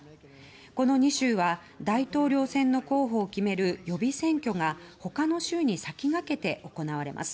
この２州は大統領選の候補を決める予備選挙が他の州に先駆けて行われます。